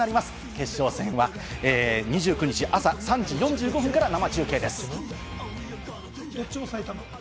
決勝戦は２９日、朝３時４５分から生中継です。